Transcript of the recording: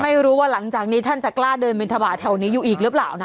ไม่รู้ว่าหลังจากนี้ท่านจะกล้าเดินบินทบาทแถวนี้อยู่อีกหรือเปล่านะ